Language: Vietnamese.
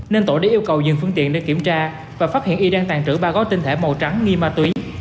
nên tổ đã yêu cầu dừng phương tiện để kiểm tra và phát hiện y đang tàn trữ ba gói tinh thể màu trắng nghi ma túy